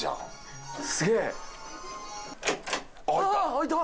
開いた！